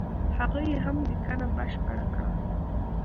هغه یې هم لیکنه بشپړه کړه.